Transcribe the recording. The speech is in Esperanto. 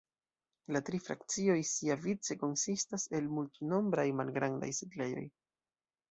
La tri frakcioj siavice konsistas el multnombraj malgrandaj setlejoj.